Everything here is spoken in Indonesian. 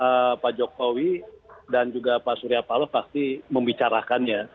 tentu semua persoalan pak jokowi dan juga pak suryapalo pasti membicarakannya